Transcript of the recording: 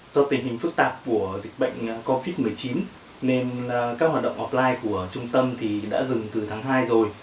do tình hình phức tạp của dịch bệnh covid một mươi chín nên các hoạt động offline của trung tâm thì đã dừng từ tháng hai rồi